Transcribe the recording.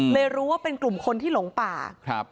รู้ว่าเป็นกลุ่มคนที่หลงป่า